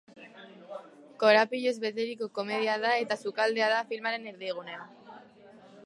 Korapiloz beteriko komedia da eta sukaldea da filmaren erdigunea.